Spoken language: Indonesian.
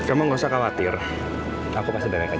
kamu nggak usah khawatir aku pasti derekat